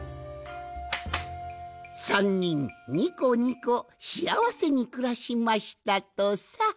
３にんにこにこしあわせにくらしましたとさ。